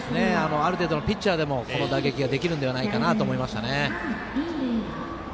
ある程度のピッチャーでもできるんではないかなと思いましたね。